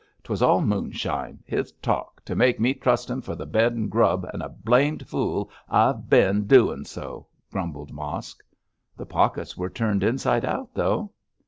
'Twas all moonshine his talk, to make me trust him for bed and grub, and a blamed fool I've bin doin' so,' grumbled Mosk. 'The pockets were turned inside out, though.'